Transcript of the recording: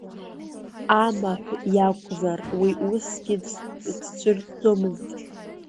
Амаҳә иакәзар, уи усгьы дцәырҵӡомызт.